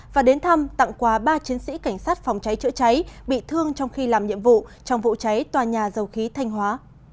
và đến thăm tặng quà ba chiến sĩ cảnh sát phòng cháy chữa cháy bị thương trong khi làm nhiệm vụ trong vụ cháy tòa nhà dầu khí thanh hóa